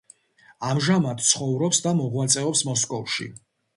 ამჟამად ცხოვრობს და მოღვაწეობს მოსკოვში.